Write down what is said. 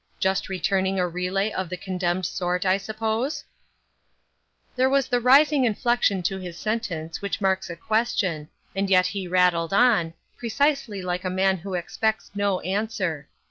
Just returning a relay :>f the condemned sort I suppose ?" There was the rising inflection to his sentence which marks a question, and yet he rattled on, precisely like a man who expects no answer.